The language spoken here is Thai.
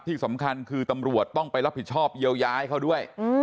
ที่สำคัญคือตำรวจต้องไปรับผิดชอบเยียวยาให้เขาด้วย